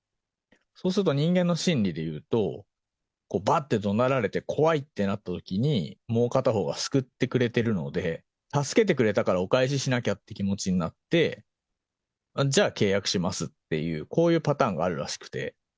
そうすると、人間の心理でいうと、こうばーってどなられて、怖いってなったときに、もう片方は救ってくれているので、助けてくれたからお返ししなきゃって気持ちになって、じゃあ、契約しますっていう、こういうパターンがあるらしくって。